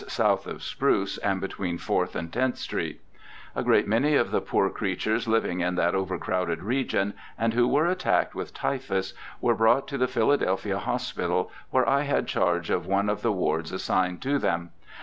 south of Spruce and between Fourth and Tenth streets. A great many of the poor creatures living in that overcrowded region, and who were attacked with typhus, were brought to the Philadelphia Hospital, where I had charge of one of the wards assigned to them.